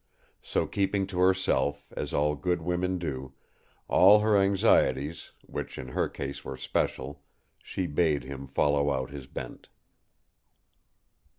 So keeping to herself, as all good women do, all her anxieties—which in her case were special—she bade him follow out his bent."